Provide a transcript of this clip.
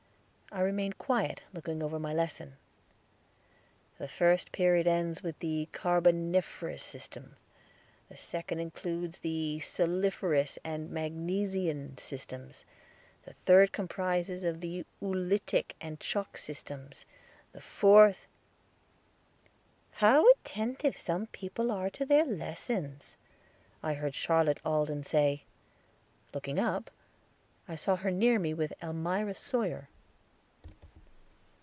I remained quiet, looking over my lesson. "The first period ends with the carboniferous system; the second includes the saliferous and magnesian systems; the third comprises the oolitic and chalk systems; the fourth " "How attentive some people are to their lessons," I heard Charlotte Alden say. Looking up, I saw her near me with Elmira Sawyer.